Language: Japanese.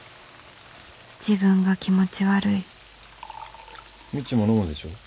自分が気持ち悪いみちも飲むでしょ？